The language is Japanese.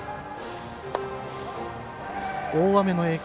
大雨の影響